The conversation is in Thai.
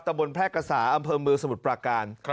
บนแพร่กษาอำเภอเมืองสมุทรปราการ